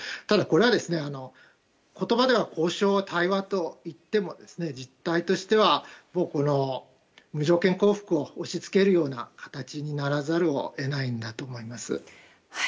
ただ、これは言葉では交渉、対話と言っても実態としては無条件降伏を押し付けるような形にならざるを得ないんだと思います。